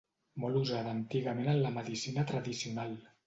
Molt usada antigament en la medicina tradicional.